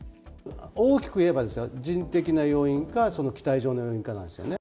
大きくいえばですよ、人的な要因か、その機体上の要因かなんですよね。